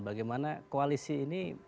bagaimana koalisi ini